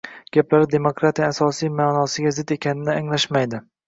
gaplari demokratiyaning asosiy ma’nosiga zid ekanini anglashmaydi